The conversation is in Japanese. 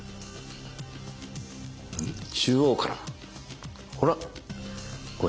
中央からほら！